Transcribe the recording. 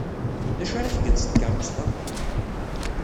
D acu ara tgeḍ s tkeṛṛust-a?